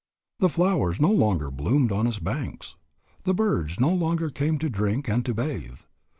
The flowers no longer bloomed on its banks. The birds no longer came to drink and to bathe.